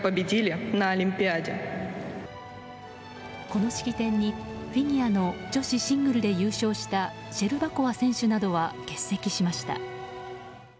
この式典にフィギュアの女子シングルで優勝したシェルバコワ選手などは欠席しました。